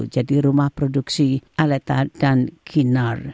jadi rumah produksi aleta kinar